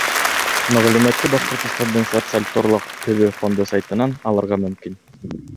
Мәғлүмәтте Башҡортостандың Социаль торлаҡ төҙөү фонды сайтынан алырға мөмкин.